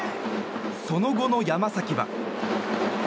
その後の山崎は。